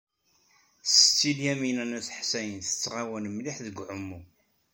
Setti Lyamina n At Ḥsayen tettɣawal mliḥ deg uɛumu.